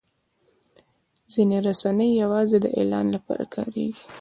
ځینې رسنۍ یوازې د اعلان لپاره کارېږي.